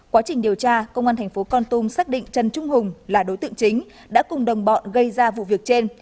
quá trình điều tra công an thành phố con tum xác định trần trung hùng là đối tượng chính đã cùng đồng bọn gây ra vụ việc trên